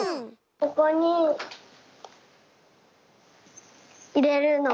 ここにいれるの。